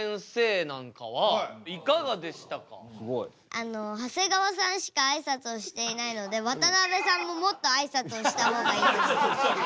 あの長谷川さんしかあいさつをしていないので渡辺さんももっとあいさつをした方がいいと思いました。